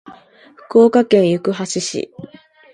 福岡県行橋市